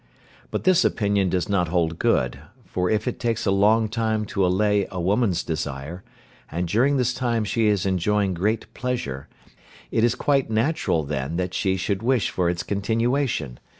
But this opinion does not hold good, for if it takes a long time to allay a woman's desire, and during this time she is enjoying great pleasure, it is quite natural then that she should wish for its continuation.